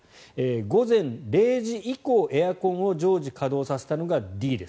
午前０時以降、エアコンを常時稼働させたのがＤです。